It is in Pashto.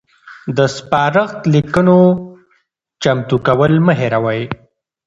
د سپارښت لیکونو چمتو کول مه هیروئ.